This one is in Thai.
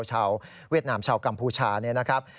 ชาวเวียดนามชาวกัมพูชา